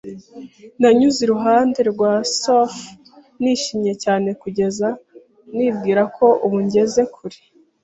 Nanyuze iruhande rwa surf nishimye cyane, kugeza, nibwira ko ubu ngeze kure